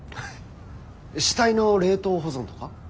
死体の冷凍保存とか？